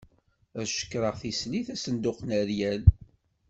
Ad cekkreɣ tislit asenduq n ryal.